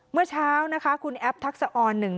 เมื่อเช้านะคะคุณแอปทักษะออนหนึ่ง